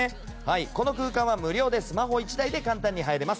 この空間は無料でスマホ１台で簡単に入れます。